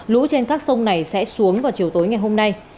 lũ trên các sông này sẽ xuống vào chiều tối ngày hôm nay